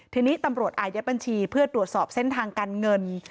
ทีนี้ตำรวจอายัดบัญชีเพื่อตรวจสอบเส้นทางการเงิน